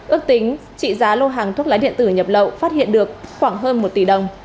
ước tính trị giá lô hàng thuốc lá điện tử nhập lậu phát hiện được khoảng hơn một tỷ đồng